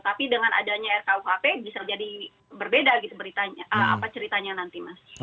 tapi dengan adanya rkuhp bisa jadi berbeda gitu ceritanya nanti mas